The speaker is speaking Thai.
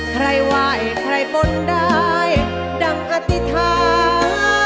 ใครว่ายใครปนดายดั่งอธิษฐาน